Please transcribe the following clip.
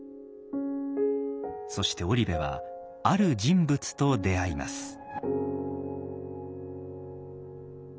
そして織部はある人物と出会います。